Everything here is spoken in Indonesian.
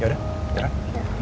ya udah yaudah